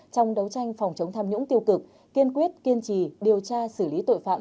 trong đấu tranh phòng chống tham nhũng tiêu cực kiên quyết kiên trì điều tra xử lý tội phạm